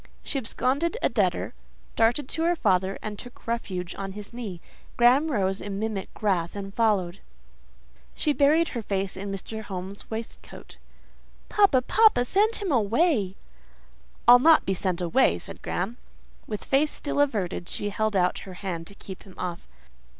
She absconded a debtor, darted to her father, and took refuge on his knee. Graham rose in mimic wrath and followed. She buried her face in Mr. Home's waistcoat. "Papa—papa—send him away!" "I'll not be sent away," said Graham. With face still averted, she held out her hand to keep him off.